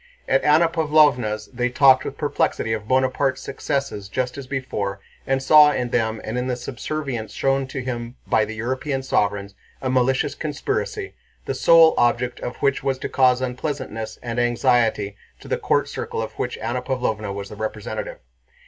At Anna Pávlovna's they talked with perplexity of Bonaparte's successes just as before and saw in them and in the subservience shown to him by the European sovereigns a malicious conspiracy, the sole object of which was to cause unpleasantness and anxiety to the court circle of which Anna Pávlovna was the representative.